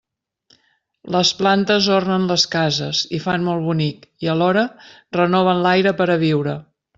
Les plantes ornen les cases i fan molt bonic i, alhora, renoven l'aire per a viure.